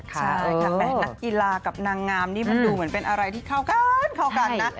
ใช่ค่ะนักกีฬากับนางงามนี่มันดูเหมือนเป็นอะไรที่เข้ากันเข้ากันนะ